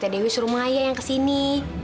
t dewi suruh maya yang kesini